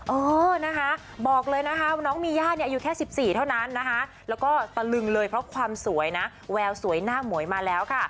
เออนะคะบอกเลยนะคะว่าน้องมีย่าเนี่ยอายุแค่๑๔เท่านั้นนะคะแล้วก็ตะลึงเลยเพราะความสวยนะแววสวยหน้าหมวยมาแล้วค่ะ